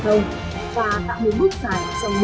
vai trò trách nhiệm của cán bộ